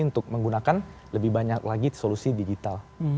untuk menggunakan lebih banyak lagi solusi digital